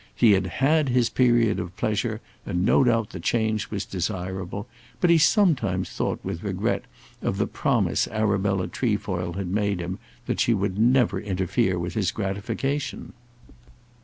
He had had his period of pleasure, and no doubt the change was desirable; but he sometimes thought with regret of the promise Arabella Trefoil had made him, that she would never interfere with his gratification.